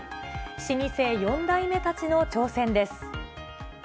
老舗４代目たちの挑戦です。